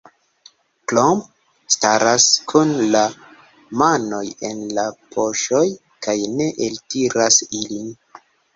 Klomp staras kun la manoj en la poŝoj kaj ne eltiras ilin.